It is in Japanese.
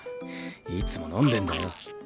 いつも飲んでんだよ。